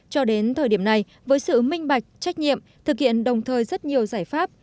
cho đến thời điểm này với sự minh bạch trách nhiệm thực hiện đồng thời rất nhiều giải pháp